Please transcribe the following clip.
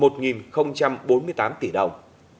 một bốn mươi tám tỷ đồng